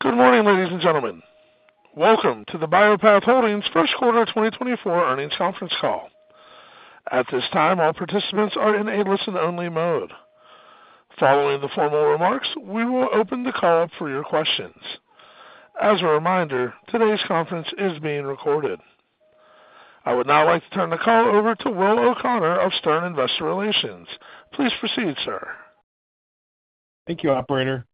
Good morning, ladies and gentlemen. Welcome to the Bio-Path Holdings First Quarter 2024 Earnings Conference Call. At this time, all participants are in a listen-only mode. Following the formal remarks, we will open the call up for your questions. As a reminder, today's conference is being recorded. I would now like to turn the call over to Will O'Connor of Stern Investor Relations. Please proceed, sir. Thank you, operator.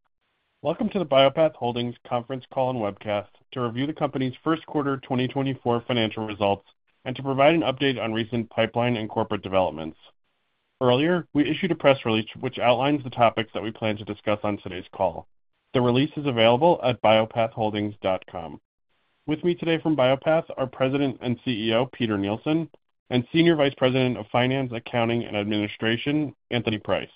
Welcome to the Bio-Path Holdings conference call and webcast to review the company's first quarter 2024 financial results and to provide an update on recent pipeline and corporate developments. Earlier, we issued a press release which outlines the topics that we plan to discuss on today's call. The release is available at biopathholdings.com. With me today from Bio-Path are President and CEO, Peter Nielsen, and Senior Vice President of Finance, Accounting, and Administration, Anthony Price.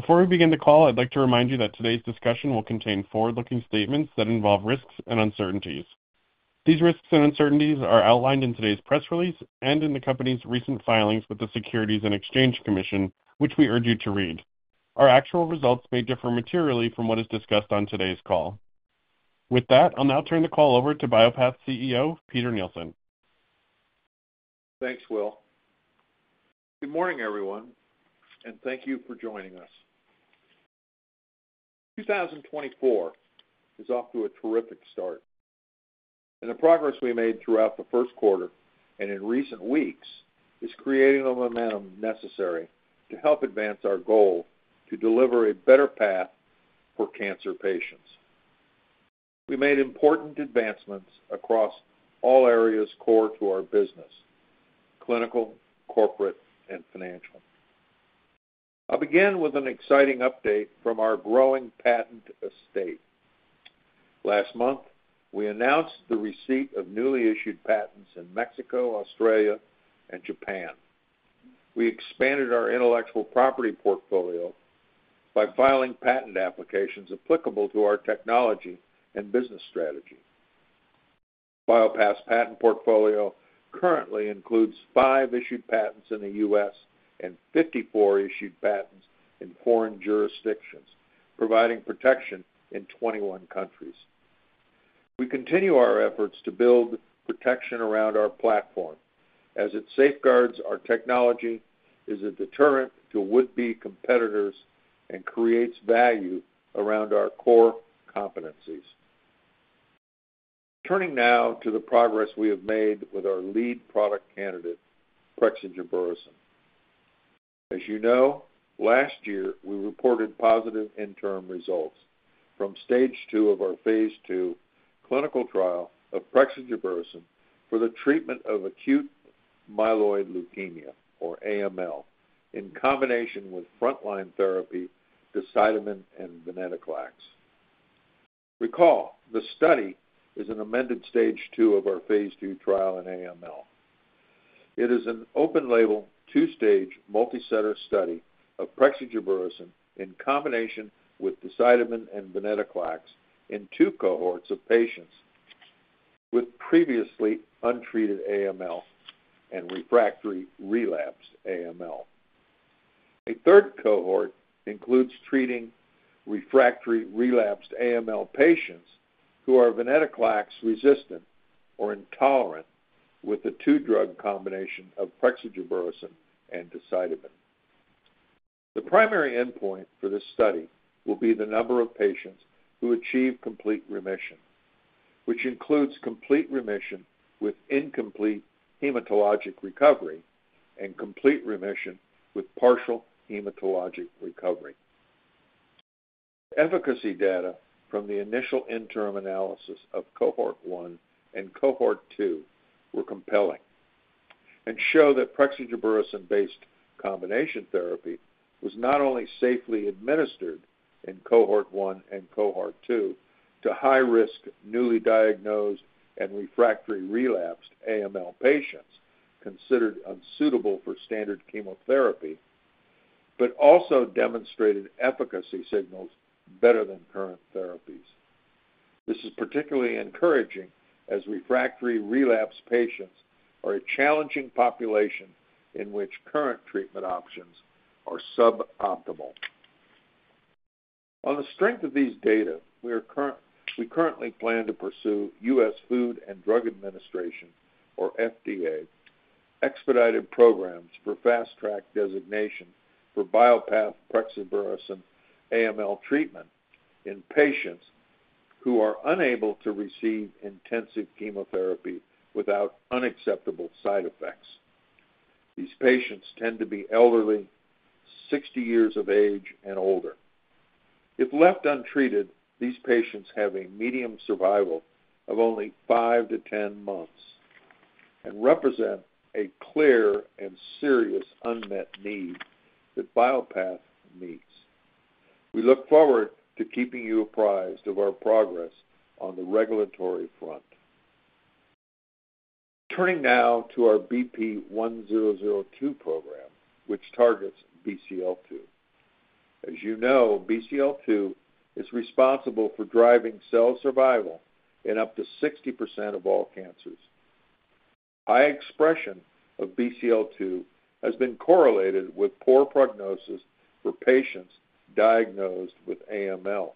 Before we begin the call, I'd like to remind you that today's discussion will contain forward-looking statements that involve risks and uncertainties. These risks and uncertainties are outlined in today's press release and in the company's recent filings with the Securities and Exchange Commission, which we urge you to read. Our actual results may differ materially from what is discussed on today's call. With that, I'll now turn the call over to Bio-Path's CEO, Peter Nielsen. Thanks, Will. Good morning, everyone, and thank you for joining us. 2024 is off to a terrific start, and the progress we made throughout the first quarter and in recent weeks is creating the momentum necessary to help advance our goal to deliver a better path for cancer patients. We made important advancements across all areas core to our business: clinical, corporate, and financial. I'll begin with an exciting update from our growing patent estate. Last month, we announced the receipt of newly issued patents in Mexico, Australia, and Japan. We expanded our intellectual property portfolio by filing patent applications applicable to our technology and business strategy. Bio-Path's patent portfolio currently includes five issued patents in the U.S. and 54 issued patents in foreign jurisdictions, providing protection in 21 countries. We continue our efforts to build protection around our platform as it safeguards our technology, is a deterrent to would-be competitors, and creates value around our core competencies. Turning now to the progress we have made with our lead product candidate, prexigebersen. As you know, last year, we reported positive interim results from stage two of our phase II clinical trial of prexigebersen for the treatment of acute myeloid leukemia, or AML, in combination with frontline therapy, decitabine and venetoclax. Recall, the study is an amended stage two of our phase II trial in AML. It is an open-label, two-stage, multi-center study of prexigebersen in combination with decitabine and venetoclax in two cohorts of patients with previously untreated AML and refractory relapsed AML. A third cohort includes treating refractory relapsed AML patients who are venetoclax-resistant or intolerant with the two-drug combination of prexigebersen and decitabine. The primary endpoint for this study will be the number of patients who achieve complete remission, which includes complete remission with incomplete hematologic recovery and complete remission with partial hematologic recovery. Efficacy data from the initial interim analysis of cohort one and cohort two were compelling and show that prexigebersen-based combination therapy was not only safely administered in cohort one and cohort two to high-risk, newly diagnosed, and refractory relapsed AML patients considered unsuitable for standard chemotherapy, but also demonstrated efficacy signals better than current therapies. This is particularly encouraging as refractory relapse patients are a challenging population in which current treatment options are suboptimal. On the strength of these data, we currently plan to pursue U.S. Food and Drug Administration, or FDA, expedited programs for fast-track designation for Bio-Path prexigebersen AML treatment in patients who are unable to receive intensive chemotherapy without unacceptable side effects. These patients tend to be elderly, 60 years of age and older. If left untreated, these patients have a median survival of only five to 10 months and represent a clear and serious unmet need that Bio-Path meets. We look forward to keeping you apprised of our progress on the regulatory front. Turning now to our BP1002 program, which targets Bcl-2. As you know, Bcl-2 is responsible for driving cell survival in up to 60% of all cancers.... High expression of Bcl-2 has been correlated with poor prognosis for patients diagnosed with AML.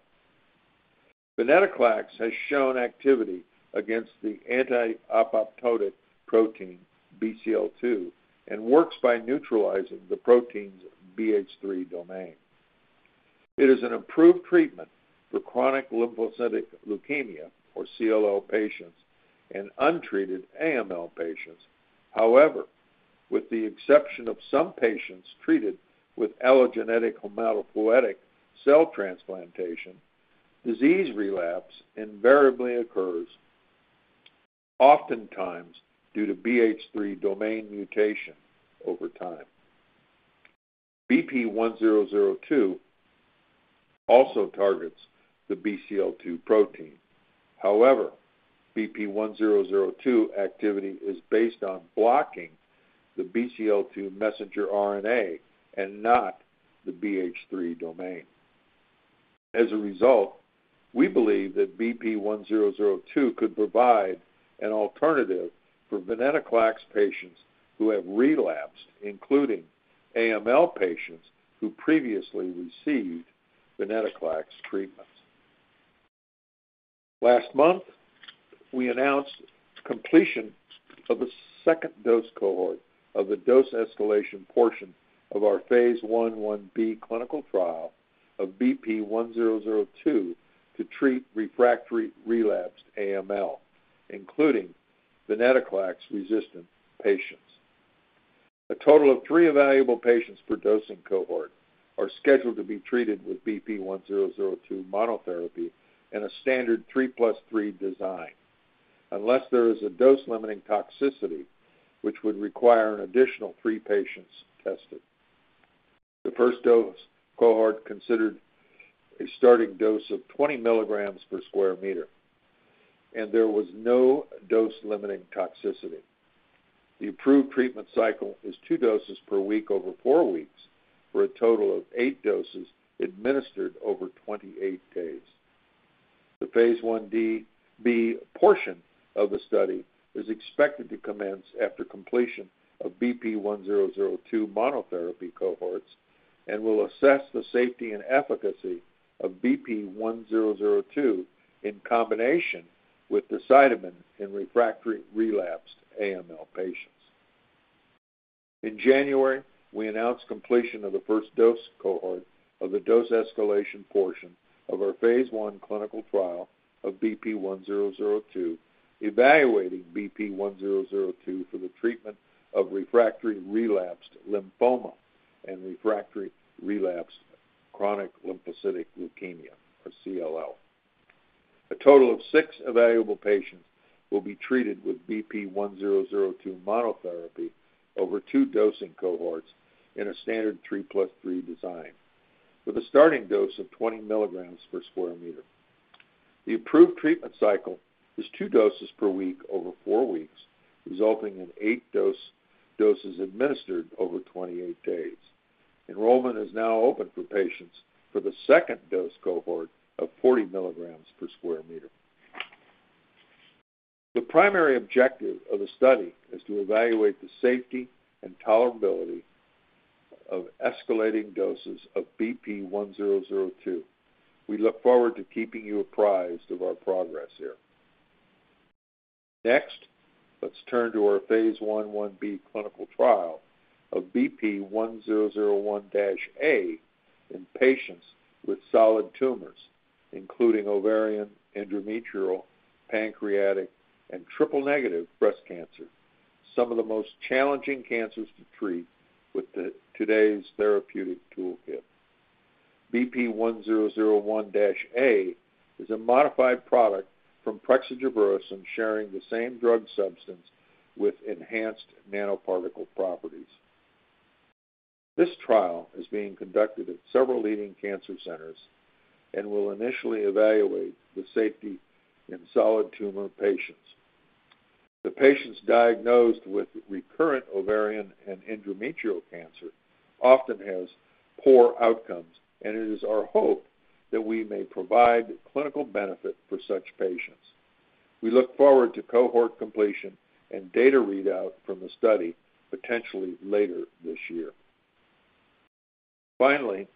Venetoclax has shown activity against the anti-apoptotic protein Bcl-2, and works by neutralizing the protein's BH3 domain. It is an approved treatment for chronic lymphocytic leukemia, or CLL patients, and untreated AML patients. However, with the exception of some patients treated with allogeneic hematopoietic cell transplantation, disease relapse invariably occurs, oftentimes due to BH3 domain mutation over time. BP1002 also targets the Bcl-2 protein. However, BP1002 activity is based on blocking the Bcl-2 messenger RNA and not the BH3 domain. As a result, we believe that BP1002 could provide an alternative for Venetoclax patients who have relapsed, including AML patients who previously received Venetoclax treatments. Last month, we announced completion of a second dose cohort of the dose escalation portion of our phase I/I-B clinical trial of BP1002 to treat refractory relapsed AML, including Venetoclax-resistant patients. A total of three evaluable patients per dosing cohort are scheduled to be treated with BP1002 monotherapy in a standard three plus three design, unless there is a dose-limiting toxicity, which would require an additional three patients tested. The first dose cohort considered a starting dose of 20 mg per square meter, and there was no dose-limiting toxicity. The approved treatment cycle is two doses per week over four weeks, for a total of eight doses administered over 28 days. The phase I-B portion of the study is expected to commence after completion of BP1002 monotherapy cohorts and will assess the safety and efficacy of BP1002 in combination with decitabine in refractory relapsed AML patients. In January, we announced completion of the first dose cohort of the dose escalation portion of our phase I clinical trial of BP1002, evaluating BP1002 for the treatment of refractory relapsed lymphoma and refractory relapsed chronic lymphocytic leukemia, or CLL. A total of six evaluable patients will be treated with BP1002 monotherapy over two dosing cohorts in a standard 3 + 3 design, with a starting dose of 20 mg per square meter. The approved treatment cycle is two doses per week over four weeks, resulting in eight doses administered over 28 days. Enrollment is now open for patients for the second dose cohort of 40 mg per square meter. The primary objective of the study is to evaluate the safety and tolerability of escalating doses of BP1002. We look forward to keeping you apprised of our progress here. Next, let's turn to our phase I/I-B clinical trial of BP1001-A in patients with solid tumors, including ovarian, endometrial, pancreatic, and triple-negative breast cancer, some of the most challenging cancers to treat with today's therapeutic toolkit. BP1001-A is a modified product from prexigebersen, sharing the same drug substance with enhanced nanoparticle properties. This trial is being conducted at several leading cancer centers and will initially evaluate the safety in solid tumor patients. The patients diagnosed with recurrent ovarian and endometrial cancer often has poor outcomes, and it is our hope that we may provide clinical benefit for such patients. We look forward to cohort completion and data readout from the study potentially later this year. Finally,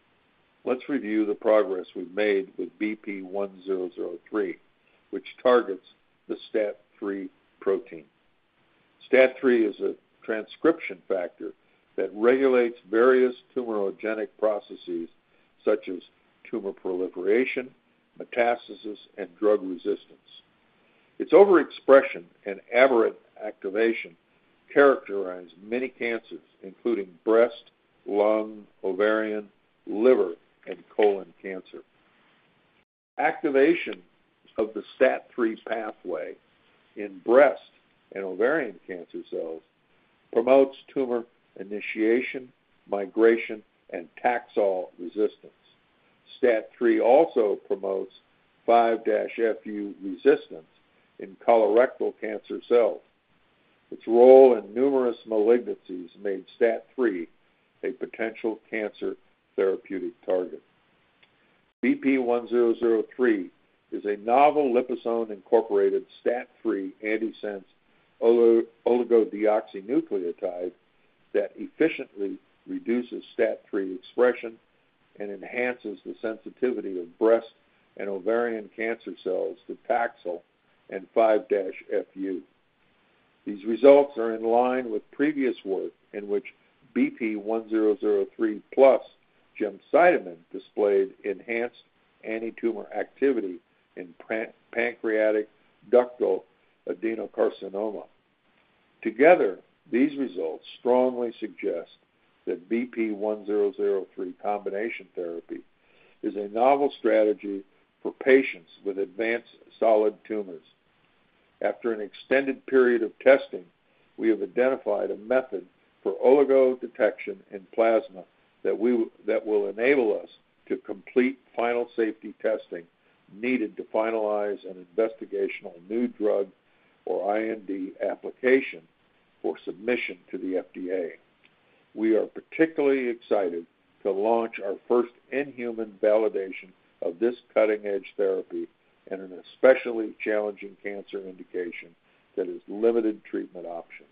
let's review the progress we've made with BP1003, which targets the STAT3 protein. STAT3 is a transcription factor that regulates various tumorigenic processes such as tumor proliferation, metastasis, and drug resistance. Its overexpression and aberrant activation characterize many cancers, including breast, lung, ovarian, liver, and colon cancer. Activation of the STAT3 pathway in breast and ovarian cancer cells promotes tumor initiation, migration, and Taxol resistance. STAT3 also promotes 5-FU resistance in colorectal cancer cells. Its role in numerous malignancies made STAT3 a potential cancer therapeutic target.... BP1003 is a novel liposome-incorporated STAT3 antisense oligodeoxynucleotide that efficiently reduces STAT3 expression and enhances the sensitivity of breast and ovarian cancer cells to Taxol and 5-FU. These results are in line with previous work in which BP1003 plus gemcitabine displayed enhanced antitumor activity in pancreatic ductal adenocarcinoma. Together, these results strongly suggest that BP1003 combination therapy is a novel strategy for patients with advanced solid tumors. After an extended period of testing, we have identified a method for oligo detection in plasma that will enable us to complete final safety testing needed to finalize an investigational new drug, or IND, application for submission to the FDA. We are particularly excited to launch our first in-human validation of this cutting-edge therapy in an especially challenging cancer indication that has limited treatment options.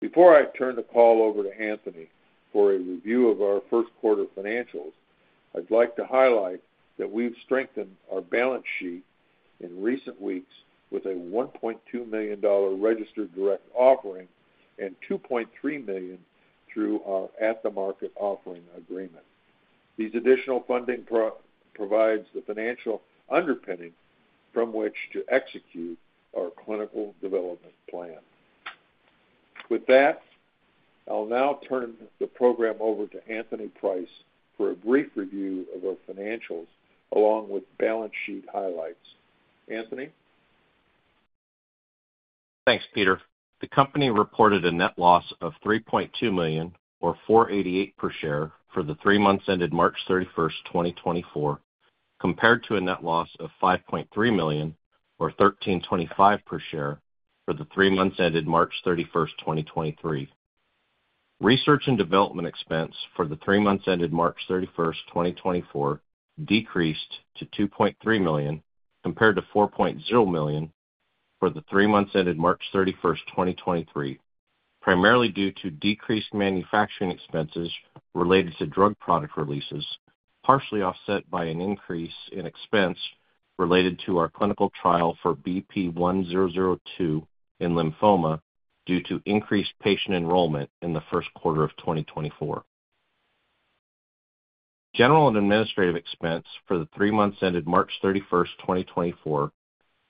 Before I turn the call over to Anthony for a review of our first quarter financials, I'd like to highlight that we've strengthened our balance sheet in recent weeks with a $1.2 million registered direct offering and $2.3 million through our at-the-market offering agreement. These additional funding provides the financial underpinning from which to execute our clinical development plan. With that, I'll now turn the program over to Anthony Price for a brief review of our financials, along with balance sheet highlights. Anthony? Thanks, Peter. The company reported a net loss of $3.2 million, or $0.488 per share, for the three months ended March 31st, 2024, compared to a net loss of $5.3 million, or $1.325 per share, for the three months ended March 31st, 2023. Research and development expense for the three months ended March 31st, 2024, decreased to $2.3 million, compared to $4.0 million for the three months ended March 31st, 2023, primarily due to decreased manufacturing expenses related to drug product releases, partially offset by an increase in expense related to our clinical trial for BP1002 in lymphoma due to increased patient enrollment in the first quarter of 2024. General and administrative expense for the three months ended March 31st, 2024,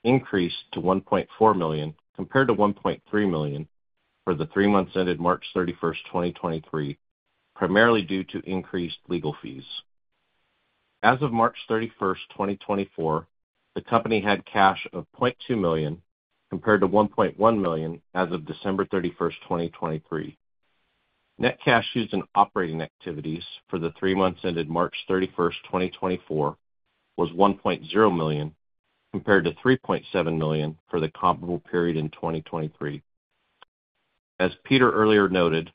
increased to $1.4 million, compared to $1.3 million for the three months ended March 31st, 2023, primarily due to increased legal fees. As of March 31st, 2024, the company had cash of $0.2 million, compared to $1.1 million as of December 31st, 2023. Net cash used in operating activities for the three months ended March 31st, 2024, was $1.0 million, compared to $3.7 million for the comparable period in 2023. As Peter earlier noted,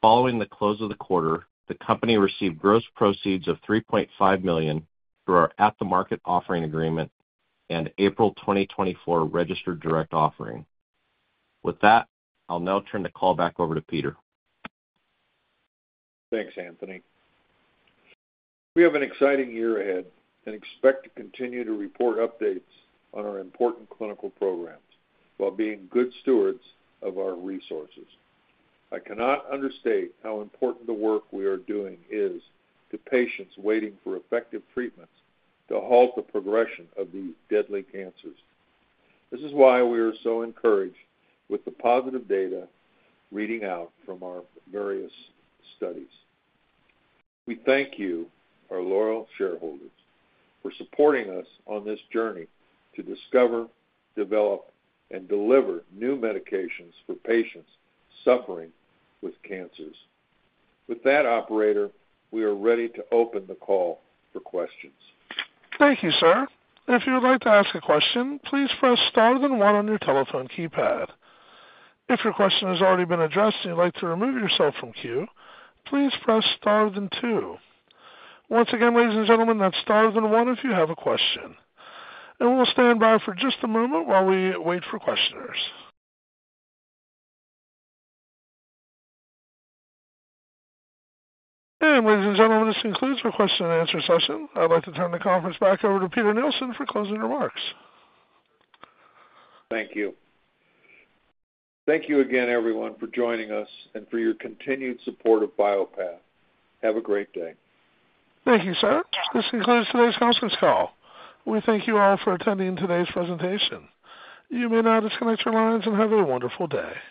following the close of the quarter, the company received gross proceeds of $3.5 million through our at-the-market offering agreement and April 2024 registered direct offering. With that, I'll now turn the call back over to Peter. Thanks, Anthony. We have an exciting year ahead and expect to continue to report updates on our important clinical programs while being good stewards of our resources. I cannot understate how important the work we are doing is to patients waiting for effective treatments to halt the progression of these deadly cancers. This is why we are so encouraged with the positive data reading out from our various studies. We thank you, our loyal shareholders, for supporting us on this journey to discover, develop, and deliver new medications for patients suffering with cancers. With that, operator, we are ready to open the call for questions. Thank you, sir. If you would like to ask a question, please press star then one on your telephone keypad. If your question has already been addressed and you'd like to remove yourself from queue, please press star then two. Once again, ladies and gentlemen, that's star then one if you have a question. We'll stand by for just a moment while we wait for questioners. Ladies and gentlemen, this concludes our question and answer session. I'd like to turn the conference back over to Peter Nielsen for closing remarks. Thank you. Thank you again, everyone, for joining us and for your continued support of Bio-Path. Have a great day. Thank you, sir. This concludes today's conference call. We thank you all for attending today's presentation. You may now disconnect your lines and have a wonderful day.